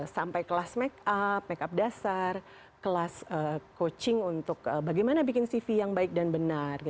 sampai kelas make up make up dasar kelas coaching untuk bagaimana bikin cv yang baik dan benar